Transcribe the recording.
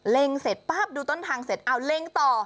เล็งเสร็จดูต้นทางเสร็จให้เล็งต่อ